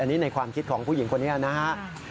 อันนี้ในความคิดของผู้หญิงคนนี้นะครับ